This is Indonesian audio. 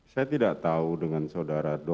saya tidak tahu dengan saudara